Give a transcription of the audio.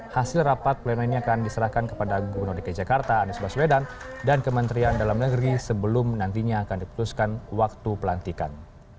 hasil rapat pleno ini akan diserahkan kepada gubernur dki jakarta anies baswedan dan kementerian dalam negeri sebelum nantinya akan diputuskan waktu pelantikan